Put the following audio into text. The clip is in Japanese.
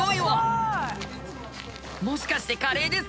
もしかしてカレーですか？